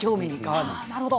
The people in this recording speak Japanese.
あなるほど。